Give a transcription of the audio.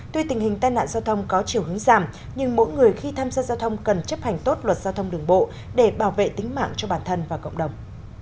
tuy tình hình tai nạn giao thông có chiều hướng giảm nhưng mỗi người khi tham gia giao thông cần chấp hành tốt luật giao thông đường bộ để bảo vệ tính mạng cho bản thân và cộng đồng